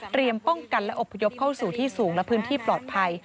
ป้องกันและอบพยพเข้าสู่ที่สูงและพื้นที่ปลอดภัย